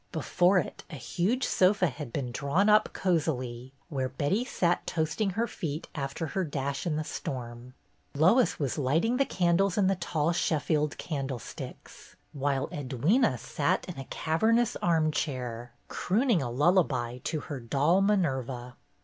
Before it a huge sofa had been drawn up cosily, where Betty sat toast ing her feet after her dash in the storm. Lois was lighting the candles in the tall Sheffield candlesticks, while Edwyna sat in a cavern ous armchair, crooning a lullaby to her doll Minerva.